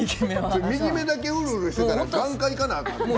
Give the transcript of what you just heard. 右目だけうるうるしてたら眼科、行かなあかん。